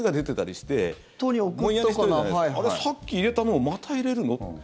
さっき入れたのをまた入れるの？